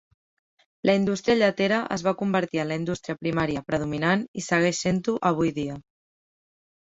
La indústria lletera es va convertir en la indústria primària predominant i segueix sent-ho avui dia.